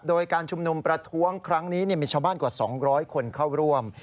โดยการชุมนุมประท้วงครั้งนี้มีชาวบ้านกว่า๒๐๐คนเข้าร่วม